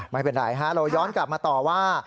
ไม่เป็นไรฮะเราย้อนกลับมาต่อว่า